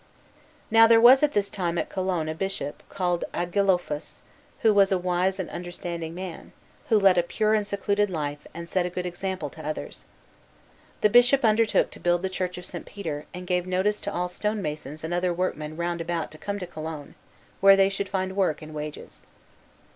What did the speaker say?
Now there was at this time at Cologne a bishop, called Agilolphus, who was a wise and understanding man, who led a pure and secluded life, and set a good example to others. This bishop undertook to build the Church of St. Peter, and gave notice to all stonemasons and other workmen round about to come to Cologne, where they should find work and wages.